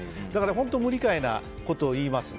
本当に無理解なことを言います。